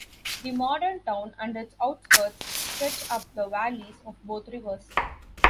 The modern town and its outskirts stretch up the valleys of both rivers.